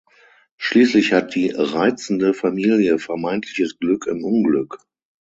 Schließlich hat die „reizende“ Familie vermeintliches Glück im Unglück.